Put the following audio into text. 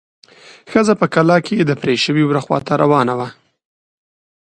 ښځه په کلا کې د پرې شوي وره خواته روانه شوه.